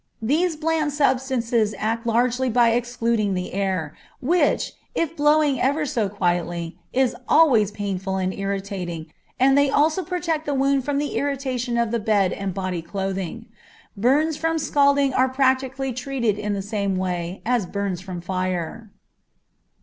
These bland substances act largely by excluding the air, which, if blowing ever so quietly, is always painful and irritating, and they also protect the wound from the irritation of the bed and body clothing. Burns from scalding are practically treated in the same way as burns from fire.